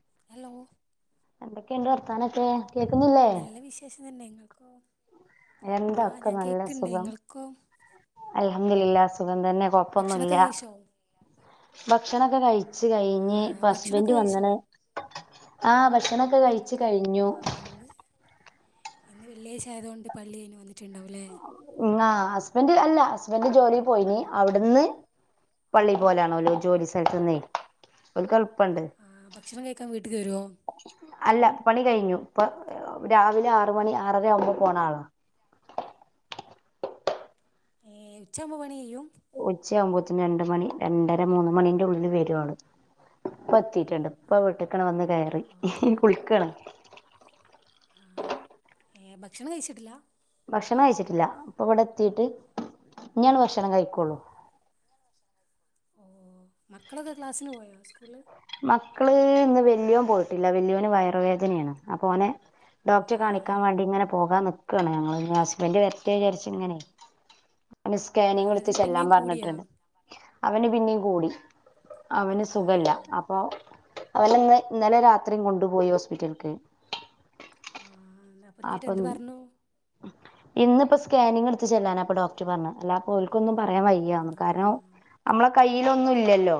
[inaudible] കിണ്ട് വർത്തന്നൊക്കെ കേക്കുന്നില്ലേ നല്ല വിശേഷം [inaudible] ആ എന്താക്ക ഞാൻ നല്ല കേൾക്കുന്നുണ്ട് സുഖം ഇങ്ങൾക്കോ അൽ അങ്ങലില്ലാസു പ്പത്തന്നെ ഹോപ്പൊന്നുല്ല ഭക്ഷണമൊക്കെ കഴിച്ചോ ഭക്ഷണൊക്കെ കഴി ച്ച് ആ കഴിഞ്ഞ് പ്പ ഭക്ഷണമൊക്കെ ഹസ്ബെന്റ് കഴിച്ചോ വന്നിണ് ആ ഭഷണോ ട്ട് കഴിച്ച് കഴിഞ്ഞു ആ ഇന്ന് ഇന്ന് വെള്ളിയാഴ്ചയായതുകൊണ്ട് പള്ളി കഴിഞ്ഞ് വന്നിട്ടുണ്ടാവുല്ലേ ആ ഹസ്ബെൻറ് അല്ല ഹസ്ബെന്റ് ജോലി പോയിനി അവിടുന്ന് പള്ളി പോവലാണ് ഓല് ജോലിസ്ഥലത്തുന്ന് ഓൽക്ക് എളു പ്പണ്ട് ആ ഭക്ഷണം കഴിക്കാൻ വീട്ടിൽ വരുമോ അല്ല പണി കഴിഞ്ഞു ഇപ്പൊ രാവിലെ ആറ് മണി ആറര ആവുമ്പോ പോണ ആള ഏ ഉച്ചാവു ബൊ പണികയും ഉച്ചയാകുമ്പോത്തന് രണ്ട് മണി രണ്ടര മൂന്ന മണിന്റ ഉള്ളില് വരുവാള് ഇപ്പ എത്തിട്ടുണ്ട് ഇപ്പ വീട്ടിക്കണ് വന്ന് കയറി ഓ ഹ് ഹ്കുളിക്കണ ആ ഏ ഭക്ഷണം കഴിച്ചിട്ടില്ല ഭക്ഷണം കഴിച്ചിട്ടില്ല അപ്പൊ ഇവിടെ എത്തിട്ട് നിഞ്ഞാണ് ഭക്ഷണം കഴിക്കോള്ളൂ ഓ മക്കളൊക്കെ ക്ലാസ്സിന് പോയോ സ്കൂള് മക്കള് ഇന്ന് വല്യോൻ പോയിട്ടില്ല വല്യോന് വയറ് വേദനയാണ് അപ്പ ഓനെ ഡോക്ടെ ഏ കാണിക്കാൻ വേണ്ടി ങ്ങനെ പോകാൻ നിക്കുവയാണ് ഞങ്ങള് ഹസ് വണ്ടി വരട്ടെ ചാരിച്ച്ങ്ങനെ അ സ്കാനിങ് ടുത്ത് വയറുവേദന ചെല്ലാം പിന്നെയും കൂടിയോ പറഞ്ഞിട്ടുണ്ട് അവന് പിന്നേ കൂടി അവന് ആ സുഖല്ല അപ്പോ അവനെന്ന് ന്നലെ രാത്രിയും കൊണ്ടുപോയി ഹോസ്പിറ്റലക്ക് ആ അപ്പം നീട്ട എന്ത് പറഞ്ഞു ഇന്നിപ്പ സ്കാനിങ്ങ്ട്ത്ത് ചെല്ലാനാപ്പൊ ഡോക്ടർ പറഞ്ഞ് അല്ലാപ്പോൽക്കൊന്നും പറയാൻ ആ വയ്യന്ന് കാരണം മ്മളെ കയ്യിലൊന്നുംല്ലല്ലോ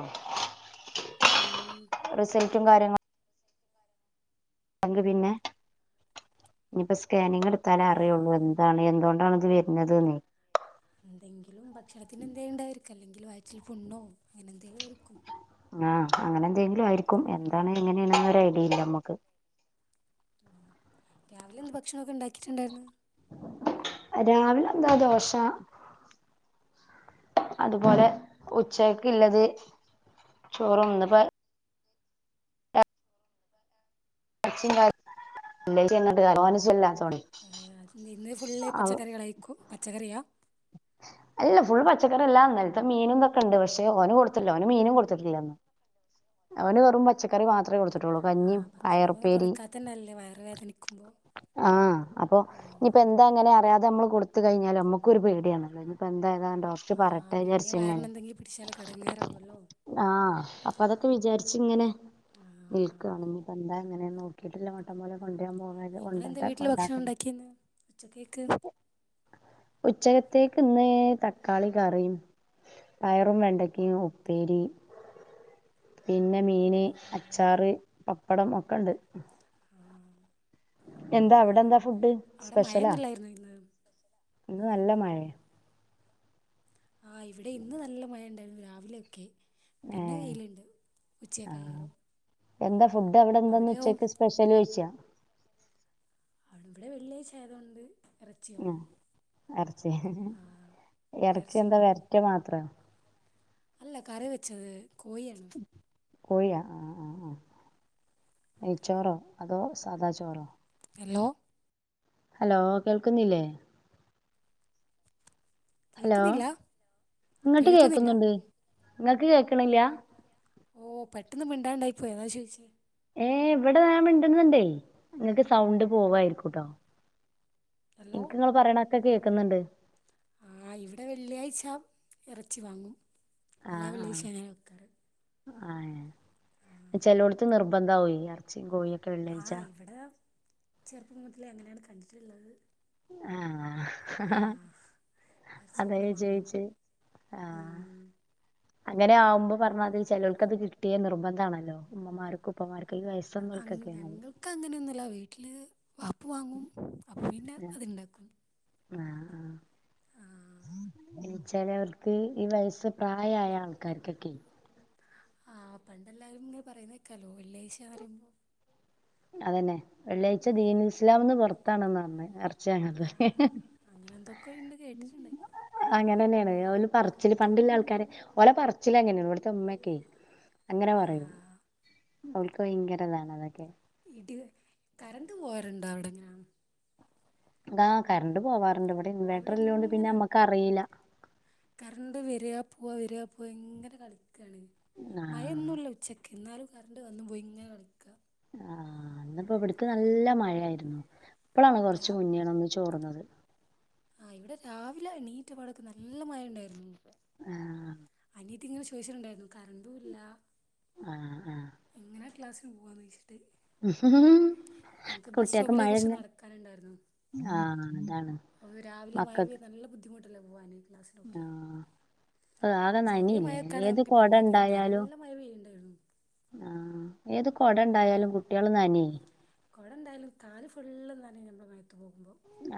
ഉം റിസൾ റ്റും കാര്യങ്ങൾ [unintelligible] പിന്നെ ഇനിയിപ്പോ സ്കാനിങ് എടുത്താലേ അറിയുള്ളൂ ആ എന്താണ് എന്തൊണ്ടാണ് ഇത് വരുന്നത്ന്ന്‌ എന്തെങ്കിലും ഭക്ഷണത്തിന്റെ എന്തേലും ണ്ടായിരിക്കല്ലേ അല്ലെങ്കിൽ വയിറ്റിൽ പുണ്ണും അങ്ങനെന്തെങ്കിലും ആയിരിക്കും ആ അങ്ങനെന്തെങ്കിലും ആയിരിക്കും എന്താണ് എങ്ങനെയാണെന്നൊരൈഡിയില്ല മ്മുക്ക് രാവിലെ ന്ന് ഭക്ഷണൊക്കെ ണ്ടാക്കിട്ടുണ്ടാരുന്നു രാവിലെ എന്താ ദോശ അതുപോലെ ഉച്ചകക്കള്ളത് ചോറും ന്ന്പ്പോ [unintelligible] എയത് നിബ് ഇന്ന് ഫുള്ള് പച്ചക്കറികളായ്ക്കു പച്ചക്കറിയാ അല്ല ഫുൾ പച്ചക്കറി അല്ല ന്നലത്തെ മീനുംത് ക്കെണ്ട് പക്ഷെ ഓന് കൊടുത്തില്ല ഓന് മീനും കൊടുത്തിട്ടില്ലന്ന് അവന് വെറും പച്ചക്കറി മാത്ര കൊടുത്തി ത്തിട്ടൊള്ളു ആ കഞ്ഞീം ഭക്ഷണമൊന്നും പയറുപ്പേരിം കൊടുക്കാത്ത തന്നെയല്ലേ വയറ് വേദനിക്കുമ്പോൾ ആ അപ്പൊ ഇനിപ്പോ എന്താങ്ങനെ അറിയാതെ നമ്മൾ ക്ക് കയ്ഞ്ഞാലൊ മ്മുക് ക്കൊരു പേടിയാണ് അയ്ന്പ്പൊ എന്താ ഏതാ ഡോക്ട് ആ, പറട്ടെ പിന്നെ വിചാരിച്ചന്നേ വയറിന് എന്തെങ്കിലും പിടിച്ചാലൊക്കെ ഇടങ്ങേറാവുമല്ലോ ആ അപ്പൊ അതൊക്കെ വിചാരിച്ച ച്ച് ങ്ങനെ ആ, വെയ്ക്കാണെങ്കി കൊണ്ട ങ്ങനെ നോക്കിട്ടല്ല മട്ടം പോലെ കൊൺ നിങ്ങളെന്താ വീട്ടില് ഭക്ഷണം ഉണ്ടാക്കിന്ന് ഉച്ചത്തേക്ക് ഉച്ചകത്തേക്കിന്ന് തക്കാളി കറിയും പയറും വെണ്ടക്കയും ഉപ്പേരിം പിന്നെ മീന് ഓ അച്ചാറ് പപ്പടം ഒക്കെണ്ട് ആ, എന്താ അവിടെന്താ ഫുഡ് അവിടെ സ്പെഷ്യലാ മഴയൊന്നുമില്ലായിരുന്നു ഇന്ന് ഇന്ന് നല്ല മഴയ ആ ഇവിടെ ഇന്ന് നല്ല മഴണ്ടായ്ന്ന് രാവിലെയൊക്കെ പിന്നെ ഏഹ് വെയിലുണ്ട് ആഹ് ഉച്ചയൊക്കെയായേരം എന്താ ഫ് ഫുഡ് എന്താന്ന് ന്നു ച്ചക്ക് സ്പെഷ്യലോയ്‌ച്ചാ അവിടെ ഇവിടെ വെള്ളിയാച്ചായ്തുകൊണ്ട് ഉം എറച്ചിയ ആ എറച്ചി ഇറച്ചി എന്താ ഉണ്ടാവും വരറ്റ മാത്ര അല്ല കറി വെച്ചത് കോയി അർത്ത് കോഴിയാ ആ ആ ആ നെയച്ചോറോ അതോ സാദാ ചോറോ ഹലോ ഹലോ കേൾക്കുന്നില്ലേ ഹലോ കേൾക്കുന്നില്ല ഇങ്ങട്ട് കേൾക്കുന്നില്ല കേക്കുന്നുണ്ട് ഇങ്ങക്ക് കേക്ക്ണില്ല ഓ പെട്ടെന്ന് മിണ്ടാണ്ടായി പോയോ അഹാ ചോയ്ച്ചേ ഏ ഇവടെ ഞാൻ മിണ്ടുന്നുണ്ടേ ഇങ്ങക്ക് സൗണ്ട് പോവായിരിക്കുട്ടോ ഹലോ ഇൻക്ക് ഇങ്ങള് പറിണക് പ്പകേക്ക്ന്ന്ണ്ട് ആ ഇവിടെ വെള്ളിയാഴ്ച ഇറച്ചി വാങ്ങും എല്ലാ വെള്ളിശനി വെക്കാറ് ആഹ് ആ നെ ചെലോടത്ത് നിർബന്ധാ വോ എറ്ച്ചി ങ്കോഴി ആഹ് ഇവിടെ ചെറുപ്പ മു ലെ അങ്ങനാണ് കണ്ടിട്ട്ള്ളത് ആഹ് ഹഹ് ഇറച്ചി അത ഞാ എപ്പളും വാങ്ങും ചോയ്ച്ചെ ആഹ് ഉം അങ്ങനെ ആവുമ്പോ പറഞ്ഞാതിരി ചേലോൽക്കത് കിട്ടിയെ നിർബന്ധാണല്ലോ ഉമ്മമാർക്കും ഉപ്പമാർക്കും ഈ വയസ്സന്നോൽക്കൊക്കെയാണത് അങ്ങ്ഞങ്ങൾക്കങ്ങനെയൊന്നുല്ല വീട്ടില് വാപ്പു വാങ്ങും അപപ്പിന്ന അത്ണ്ടാക്കും ആഹ് ആഹ് ചെലവർക്ക് ഈ വയസ് പ്രായായ ആൾക്കാർക്കെക്കെ ആഹ് പണ്ടെല്ലാരും ഇങ്ങ് പറയുന്നെ ക്കലോല്ല്യശാറും അതന്നെ വെള്ളിയാഴ്ച ദീനുൽ ഇസ്ലാമ്ന്ന് പൊറ് താണ് [unintelligible] പറ്ഞ്ഞ് എറ്ച് ച്ചങ്ങ ഹ് ഹ്. അങ്ങനെ എന്തൊക്കെ ഉണ്ട് കേട്ടിട്ടുണ്ട് അങ്ങനെന്നെയാണ് ഓ പറില് പണ്ടുള്ള ആൾക്കാര്െ ഓലെ പറിച്ചില അങ്ങനെയ ഇവിടുത്തെ ഉമ്മയൊക്കെ അങ്ങനെ പറയും ആഹ് അവൾക്ക് ഭയങ്കരതാണ് അതൊക്കെ ഇട് കരണ്ട് പോഹർണ്ടവിടെ [unintelligible] ഗാ കരണ്ട് പോവാറ ഇണ്ട് ഇവ്ടെ ഇവിടെ ഇൻവേട്ട്രർല്ലോണ്ട് പിന്നെ ഇങ്ങനെ അമ്മക്ക് അ റീല്ല പോവ വര്യ പോവ ങ്ങനെ [unintelligible] കളി ക്കാണ് മഴ ആഹ് ഇന്നുല്ല ഉച്ചക്ക് ന്നാലും കരണ്ട് വന്നും പോയി ഇങ്ങനെ കളിക്ക ആഹ് ഇന്ന്പ്പോ ഇബട്ക് നല്ല മഴായിരുന്നു ഇപ്പളാണ് കൊറ്ച്ച് മുന്നേണൊന്ന് ചോർന്നത് ആഹ് ഇവ്ടെ രാവിലെ എണീറ്റപാടൊക്കെ നല്ല മഴ ഉണ്ടായിരുന്നു ആഹ് ഇതിങ്ങനെ ചോയിചെലുണ്ടായിരുന്നു ആഹ് ആഹ് ക്ലസിന് പോ [unintelligible] ല്ലെ ഹ് ഹ് ബസ് ഹ്കുട്ട്യേക്ക് സ്റ്റോപ്പിലേ മഴ കുറച്ച് നടക്കാനുണ്ടായിരുന്നു ആഹ് അതാണ് അപ്പോൾ രാവിലെ മഴ മക്കക് പെയ്ത് [inaudible] ആഹ് അതാ ചെറിയ നനയില്ലേ മഴയൊക്കെയാണെ ഏത് നമുക്ക് കൊട പിന്നെയൊക്കെ ഇത് എണ്ടായാലും നല്ല മഴ പെയ്യുന്നുണ്ടായിരുന്നു ആ ഏത് കൊട ആ എണ്ടായാലും കുട്ടികള് നനയേ കുട എണ്ടായാലും കാല് ഫുള്ള് നനയും നമ്മള് മഴയത്ത് പോകുമ്പോ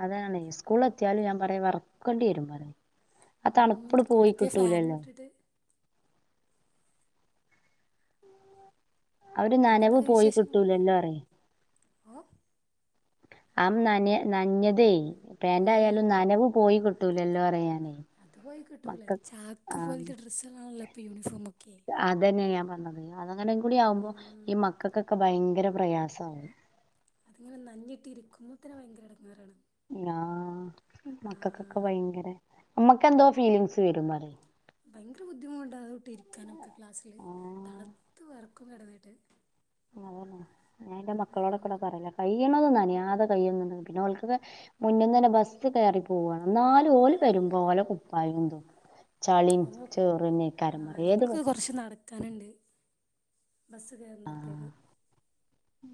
അതാണേ സ്കൂള് എത്തിയാലും ഞാൻ പറയും [unintelligible] ആ ഉം തണുപ്പള് പോയി സ്കൂളിലെത്തിയ ഫാനും കിട്ടൂലല്ലോ ഇട്ടിട്ട് ആ ഒരു നനവ് പിന്നെന്തൊക്കെ പോയി വിശേഷങ്ങൾ കിട്ടൂലല്ലോ [unintelligible] ഓ ആ നനയാ നനഞ്ഞതേയ് ഉം പാന്റായാലും നനവ് പോയി കി ട്ടൂലല്ലോ പറയാ [unintelligible] അത് കിട്ടൂല ചാക്ക് പോലത്തെ ഡ്രസ്സുകളാണല്ലോ ഇപ്പൊ യൂണിഫോമൊക്കെ അതന്നെ ഞാൻ പറഞ്ഞത് അങ്ങനെയും കൂടി ആവുമ്പോ ഉം ഈ മക്കൾക്കൊ ക്കെ ഭയങ്കര പ്രയാസാവും അതിങ്ങനെ നനഞ്ഞിട്ടിരിക്കുമ്പൊ തന്നെ ഭയങ്കര ഇടങ്ങേറാണ് ആ മക്കക്കൊക്കെ ഭയങ്കര നമ്മക്ക് എന്തോ ഫീലിങ്സ് വരൂന്ന്‌ പറ ഭയങ്കര ബുദ്ധിമുട്ടാ അതും ഇട്ട് ഇരിക്കാനൊക്കെ ക്ലാസ്സില് ആ തണുത്ത് വിറ ക്കുവാ കിടന്നിട്ട് ആണോ ഞാനെന്റെ മക്കളോടൊക്കെ ഉം ഒന്ന് പറഞ്ഞേക്കാം ഈ പെയ്യന്നത് നനയാതെ കഴിയും പിന്നെ അവൾക്കൊക്കെ മുന്നീന്ന് തന്നെ ബസ് കേറി പോവാണ് എന്നാലും ഓല് വരുമ്പോൾ ഓലെ കുപ്പായോം തു ചളി ഞങ്ങൾ ചേറും ആ ഞങ്ങൾക്ക് [unintelligible] ബസ്സ് കേറുന്നടുത്തേക്ക്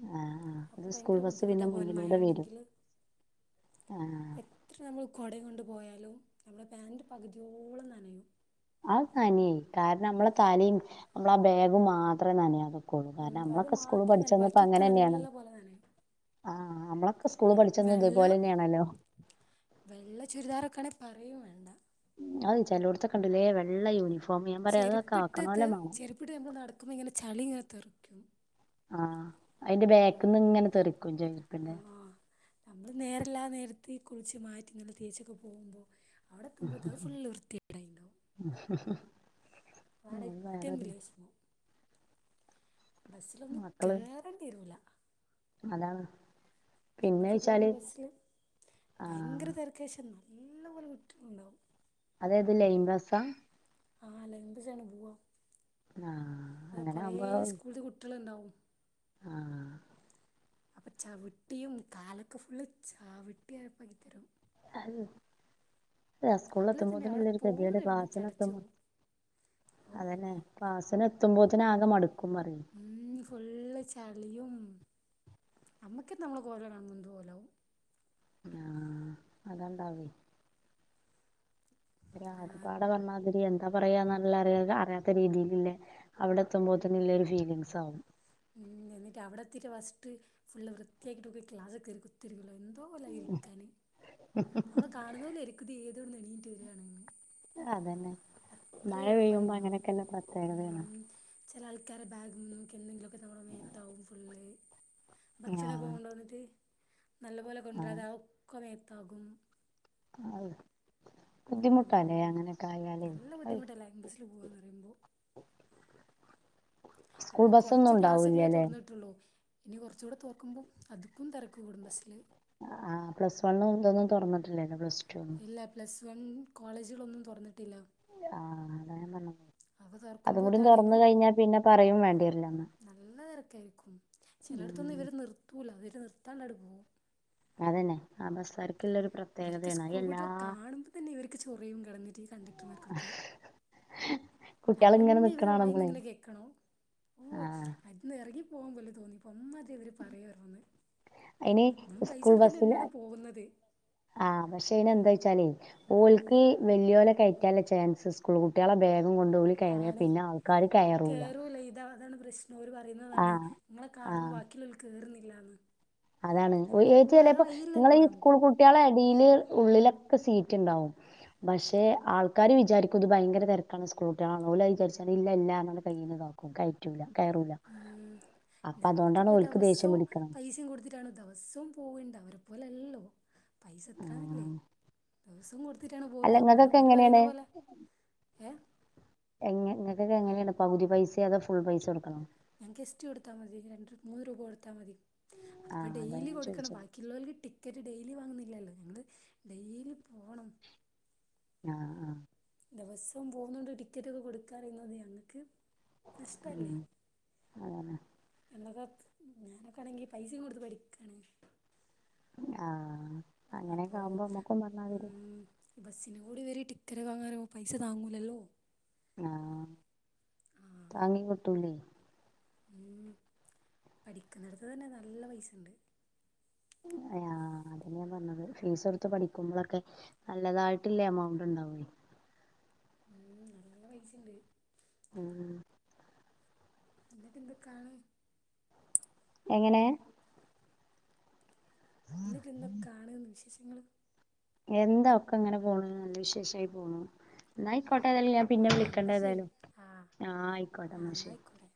ആ ആ ഇത് അപ്പൊ സ്കൂൾ ഭയങ്കര ബസ്സ് ബുദ്ധിമുട്ടാ പിന്നെ പോകാൻ മുന്നിലൂടെ വരും മഴയാണെങ്കിൽ ആ എത്ര നമ്മള് കുടയും കൊണ്ട് പോയാലും നമ്മുടെ പാൻറ് പകുതിയോളം നനയയും അത് നനിം കാരണം നമ്മളെ തലയും നമ്മളെ ആ ബാഗും മാത്രമേ നനയാതെ ഉം അത് മാത്ര അല്ല ബാക്കിയൊക്കെ നല്ല പോലെ നനഞ്ഞു ആ നമ്മള വെള്ള വെള്ള ചുരിദാറൊക്കൊണ പറയും വേ അത് ചെലോട് ത്ത്ക്ക്ണ്ടല്ലേ വെള്ള യൂണിഫോം ഞാൻ പറയാ അതൊക്കെ ചെരുപ്പിട്ട് ആക്കണോലെ വേണം ചെരുപ്പിട്ട് നമ്മൾ നടക്കുമ്പോ ഇങ്ങനെ ചളി ഇങ്ങനെ തെറിക്കും ആ അതിന്റെ ബാാക്ക നിന്ന് ഉം ഇങ്ങനെ തെറിക്കും ചർപ്പിന്റെ ആഹ് നമ്മള് നേരെല്ലാ നേരത്തി കുളിച്ച് മാറ്റി നല്ല തേച്ചൊക്കെ പോകുമ്പോൾ [unintelligible] ആ അതാണ് ഏറ്റവും വേറെരു വലിയ വിഷമം ബസ്സിലൊന്നും കേയറേണ്ടിരുന്നില്ല അതാണ് പിന്നെ ഞങ്ങളൊക്കെ പോകുന്ന വെച്ചാല് ബസ്സില് ഭയങ്കര ആഹ് തിരക്കശം [unintelligible] നല്ലപോലെ [unintelligible] ങ്ങളുണ്ടാാവും അതായത് ലൈൻ ബസാ ആ ലൈൻ ബസ്ലിലായാണ് പോവാ ആ അത് അങ്ങനെ കൊറേ ആവുമ്പോ സ്കൂളിത്തെ കുട്ടികളുണ്ടാവും ആ അപ്പൊ ചവിട്ടിയും കാലൊക്കെ ഫുള്ള് ചവിട്ടി അരപ്പാക്കിത്തരും ഉം അ സ്കൂളിൽ രാവിലെ തന്നെ അവിടെ എന്തുപോലത്ത ഗതിക്കോട് പോകുമ്പോ പിന്നെ ക്ലാസ്സിന് ചടച്ചു എത്തുമ്പോ പോവും ഓ അതന്നെ ക്ലാ അതിനെത്തുമ്പോതിന് ആകെ മടു ഉം ഫുൾ ചാ യും നമ്മക്ക നമ്മള് കോല കാണുമ്പോൾ എന്തൊപോലെവും ആ അതായിണ്ടവ ഒരു ആ അകപ്പാട് പറഞ്ഞാതിരി എന്താ പറയാന്നല്ലറിയ അറിയാത്ത രീതിൽല്ലേ അവിടെ എത്തുമ്പോത്തന്നെല്ലരു ഫീലിംഗസ് ആകും ഉം എന്നിട്ട് അവിടെ എത്തിയിട്ടേ ഫസ്റ്റ് ഫുൾ വൃത്തിയാക്കിട്ട ക്ലാസ്സ്‌ലീകേറി കുത്തിരിക്കല്ലോ എ [unintelligible] ല ഇരിക്കാന നമ്മളെ കാണുന്ന [unintelligible] എവിടെന്നെ എണീറ്റ വരാണെന്ന് അതന്നെ മഴ പെയ്യുമ്പോ എറപ്പായിണ്ടാവും അങ്ങനെയൊക്കെന്നെ പ്രത്യേകത ആണ് കാരാ ബാഗ് നക്ക് എന്തെങ്കിലുമക്കെ നമ്മൾ മേത്താവും ഫുള് ഭക്ഷണൊക്കെ ആഹ് കൊണ്ടുപോകോ എ ന്നിട്ട് നല്ലപോലെ ആഹ് കൊണ്ടരാനാകും കൊറേ ആകും ആയ് ബുദ്ധിമുട്ടാലെ ഉം അങ്ങനെയൊക്കെ ആയാല് നല്ല ബുദ്ധിമുട്ടല്ലേ ബസ്സിൽ പോവാന്ന് ഇപ്പം കുറച്ച് ക്ലാസുകളെ ഉണ്ടാവൂല്ലല്ലേ തുറന്നിട്ടുള്ളൂ ഇനി കൊറച്ചുകൂടെ തോക്കുമ്പോൾ അതുക്കും തിരക്ക് കൂടുംബസ്സില്- അആഹപ്ലസ് വണ് ഇതൊന്നും തുറന്നിട്ടില്ലല്ലോ പ്ലസ് ടു ഒന്നും ഇല്ല പ്ലസ് ൻ കോളേജുകളൊന്നും തുറന്നിട്ടില്ല ആഹ് അതാ ഞാൻ പറഞ്ഞത് അവ അതും തുർക്കുമ്പോ കൂടി തുറന്ന് താണേനി കഴിഞ്ഞാ പിന്നെ പറയും വേണ്ടിവരില്ലന്ന് നല്ല തിരക്കായിരിക്കും ഉം ചിലടത്തൊന്ന് ഇവര് നിർത്ത് സ്കൂള അവർ നിർത്താണ്ടെ പോകും അതന്നെ ആ ബസ്സേർ ഇവർക്ക് സ്കൂൾ കുട്ടികളെ കാണുമ്പോൾ തന്നെ ഇവർക്ക് ചൊറിയും കിടന്നിട്ട് ഇ കണ്ടക്ടർമാർക്കൊക്കെ കുട്ടികൾ ഇങ്ങനെ രാവിലെന്നെ ഇവരെ നിക്കണ വായിന്ന് കാണുമ്പളേ ങ്ങനെ കേക്കണോ ഓ ആഹ് അത്ന്ന് ഇറങ്ങി പോവാൻ പോലും തോന്നി അംമാതിരി അവര് പറയായ്ര്ന്നെന്ന് അയിന് നമ്മളും സ്കൂൾ ബസ്സില് പൈസടുത്തിട്ടാണ് പോകുന്നത് ച്ചാലെ ഓൽക്ക് വല്യോലെകയറ്റാല്ലേ ചാൻസ് സ്കൂൾക്കുട്ടിയാളെ ബേക് ും കൊണ്ടൊല് കയറിയ ആണ് പിന്നെ ആൾക്കാര് കയറൂല ഓല് പറയുന്നതാണ് ആഹ് ഇങ്ങളെ കാണുബം ആഹ് ബാക്കിള്ളോല് കേറുന്നില്ല [unintelligible] അതാണ് ഏ ച്ചിലപ്പൊ നിങ്ങളെ ഈ സ്കൂൾ നമുക്ക് കുട്ടികളെ എടില് ഉള്ളില ക്കെ സീറ്റ് ഇണ്ടാവും പക്ഷെ ആൾക്കാര് വിചാരിക്കും ത് ഭയങ്കര തെരക്കാണ് സ്കൂൾ കുട്ടിള്ളാണ് ഓല് അഹ് ചാര്ച്ചാണ്ട് ഇല്ല ഇല്ലാ കയ്യ് താക്കും കയറ്റൂല കയറൂല ഉം അപ്പ അതോണ്ടാണ് ഓൽക്ക് ദേഷ്യം പിടിക്ണേ കാണ് ദിവസോം പോവണ്ട അവരെ പോലെ അല്ലല്ലോ പൈസ എത്രന്നില്ലേ ആഹ് ദിവസവും കൊടുത്തിട്ടാണ് അല്ല പോകുന്നത് അപ്പോ ഇങ്ങക്കൊക്കെ ഓര് പറയുന്ന എങ്ങനേണ് പോലെ ഏ ങ്ങക്കെക്കേ എങ്ങനെണ് പകുതി പൈസേ അതോ ഫുൾ പൈസ കോടുക്കണോ ഞങ്ങക്ക് എസ്ട്ടി കൊടുത്താ മതി രണ്ട് മൂന്ന് രൂപ കൊടുത്താ മതി അതിപ്പോ ആഹ് അതാ ഡെയ്ലി ഞാൻ കൊടുക്കണം ചോദിച്ചത് ബാക്കിയുള്ളോൽക്ക് ടിക്കറ്റ് ഡെയ്ലി വാങ്ങുന്നില്ലല്ലോ ഞങ്ങള് ഡെയ്‌ലി പോണം ആ ആ ദിവസവും പോകുന്നുണ്ട് ടിക്കറ്റ ഒക്കെ കൊടുക്കാറിയുന്നത് ഞങ്ങ ക്ക് ഉം അതന്നെ ഞാനൊക്കൊണെങ്കി പൈസയും കൊടുത്ത് പഠിക്കാണ് ആ അങ്ങനെയൊക്കെ ആകുമ്പോ നമ്മുക്കും പറഞ്ഞ [unintelligible] ബസ്സിന്റെ കൂടി വരി ടിക്കറ്റ് വാങ്ങാറുമൾ പൈസ താങ്ങൂല്ലല്ലോ ആ താങ്ങികിട്ടൂല്ലേ ഉം പഠിക്കുന്നിടത്ത് തന്നെ നല്ല പൈസുണ്ട് അ അത ഞാൻ പറഞ്ഞത് ഫീസ് എടുത്ത് പഠിക്കുമ്പോഴൊക്കെ നല്ലതായിട്ടില്ലേ എമൗണ്ട് ഉണ്ടാവേ ഉം നല്ല പൈസുണ്ട് ഉം എന്നിട്ട് എന്തൊക്കാണ് എങ്ങനെ എന്നിട്ട് ഇന്നൊക്കാണ് വിശേ എന്താ ഒക്കെ ഇങ്ങനെ പോണ് നല്ല വിശേഷായി പോണു എന്നായി ക്കോട്ടെ ഏതായാലും ഞാൻ ആ പിന്നെ വിളിക്കണ്ട് എന്നാൽ ശരി ഏതായാലും, ആ ആഹ് ആയിക്കോട്ട ആ എന്നാ എന്നാൽ ശെരി. ആയിക്കോട്ടെ